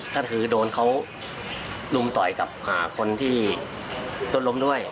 ก็คือโดนเขารุมต่อยกับคนที่โดนล้มด้วย